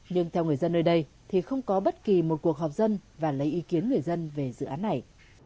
nhưng theo người dân nơi đây thì không có bất kỳ một cuộc họp dân và lấy ý kiến người dân về dự án này